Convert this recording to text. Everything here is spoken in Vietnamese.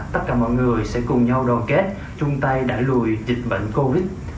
tất cả mọi người sẽ cùng nhau đoàn kết chung tay đẩy lùi dịch bệnh covid